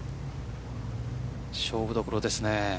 勝負どころですね。